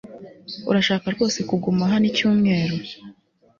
Urashaka rwose kuguma hano icyumweru